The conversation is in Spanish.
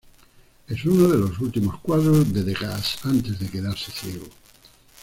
Es uno de los últimos cuadros de Degas antes de quedarse ciego.